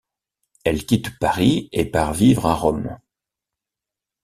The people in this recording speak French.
Elle quitte Paris et part vivre à Rome.